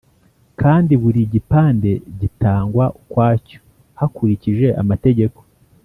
Kandi buri gipande gitangwa ukwacyo hakurikije amategeko